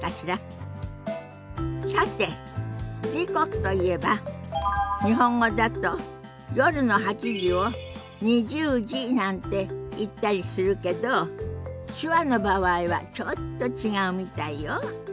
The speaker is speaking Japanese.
さて時刻といえば日本語だと夜の８時を２０時なんて言ったりするけど手話の場合はちょっと違うみたいよ。